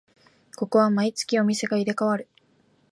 ここは毎月お店が入れ替わる